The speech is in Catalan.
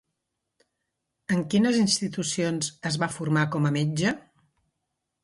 En quines institucions es va formar com a metge?